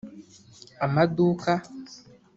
amaduka